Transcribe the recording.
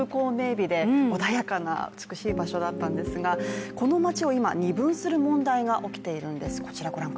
美で穏やかな美しい場所だったんですが、この町を今、二分する問題が起きているんです。